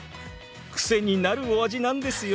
癖になるお味なんですよ。